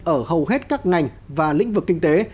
ở hầu hết các ngành và lĩnh vực kinh tế